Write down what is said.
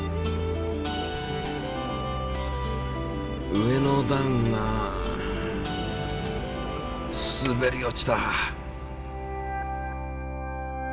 上の段がすべり落ちた。